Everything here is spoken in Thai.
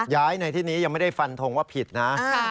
ย้ายในที่นี้ยังไม่ได้ฟันทงว่าผิดนะ